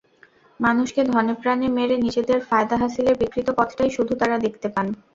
মানুষকে ধনে-প্রাণে মেরে নিজেদের ফায়দা হাসিলের বিকৃত পথটাই শুধু তাঁরা দেখতে পান।